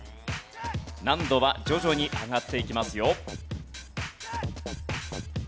難度は徐々に上がっていきますよ。